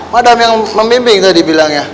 madam yang membimbing tadi bilangnya